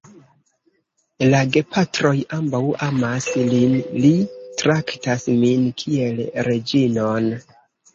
La gepatroj ambaŭ amas lin. Li traktas min kiel reĝinon.